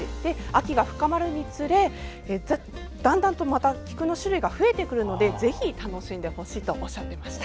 秋が深まるにつれだんだんとまた菊の種類が増えてくるのでぜひ楽しんでほしいとおっしゃってました。